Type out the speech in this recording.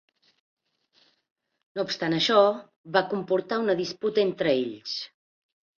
No obstant això, va comportar a una disputa entre ells.